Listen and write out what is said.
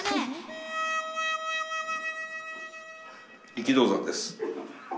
力道山です。